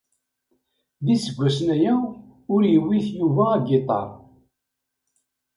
D iseggasen-aya ur iwit Yuba agiṭar.